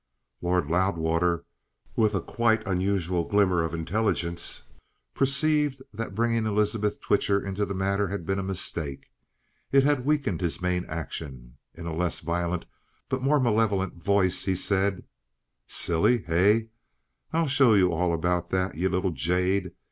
Lord Loudwater, with a quite unusual glimmer of intelligence, perceived that bringing Elizabeth Twitcher into the matter had been a mistake. It had weakened his main action. In a less violent but more malevolent voice he said: "Silly? Hey? I'll show you all about that, you little jade!